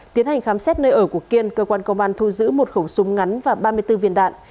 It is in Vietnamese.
tiến hành khám xét nơi ở của kiên cơ quan công an thu giữ một khẩu súng ngắn và ba mươi bốn viên đạn